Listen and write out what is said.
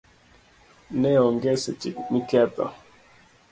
neonge seche miketho